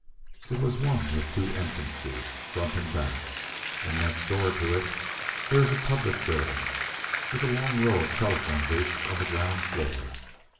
It was one with two entrances, front and back; and next door to it there is a public building with a long row of telephone booths on the ground floor.